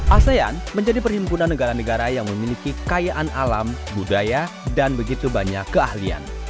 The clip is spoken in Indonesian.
asean menjadi perhimpunan negara negara yang memiliki kekayaan alam budaya dan begitu banyak keahlian